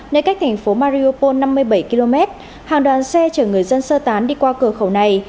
nơi cách thành phố mariopol năm mươi bảy km hàng đoàn xe chở người dân sơ tán đi qua cửa khẩu này